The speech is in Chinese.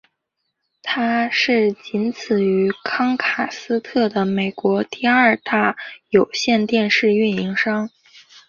它是仅此于康卡斯特的美国第二大有线电视运营商。